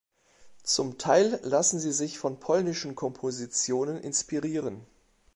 Zum Teil lassen sie sich von polnischen Kompositionen inspirieren.